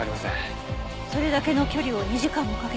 それだけの距離を２時間もかけて。